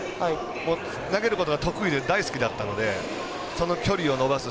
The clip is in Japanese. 投げることが得意で大好きだったのでその距離を伸ばす。